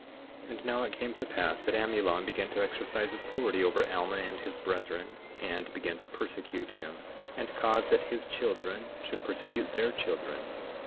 24:8 And now it came to pass that Amulon began to exercise authority over Alma and his brethren, and began to persecute him, and cause that his children should persecute their children.